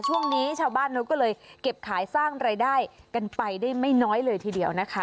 ช่วงนี้ชาวบ้านเขาก็เลยเก็บขายสร้างรายได้กันไปได้ไม่น้อยเลยทีเดียวนะคะ